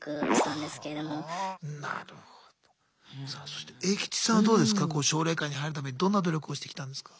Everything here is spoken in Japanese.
さあそしてエイキチさんはどうですかこう奨励会に入るためにどんな努力をしてきたんですか？